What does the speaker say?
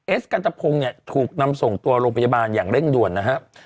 สกันตะพงศ์เนี่ยถูกนำส่งตัวโรงพยาบาลอย่างเร่งด่วนนะครับ